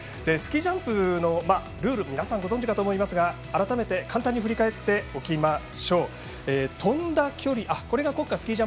スキー・ジャンプのルール皆さんご存じかと思いますが改めて簡単に振り返っておきましょう。